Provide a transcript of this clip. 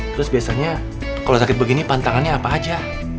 terus biasanya kalau sakit begini pantangannya apa aja